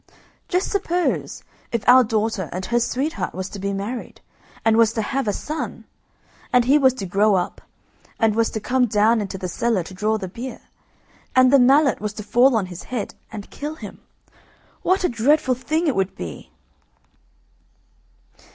Just suppose, if our daughter and her sweetheart was to be married, and was to have a son, and he was to grow up, and was to come down into the cellar to draw the beer, and the mallet was to fall on his head and kill him, what a dreadful thing it would be!"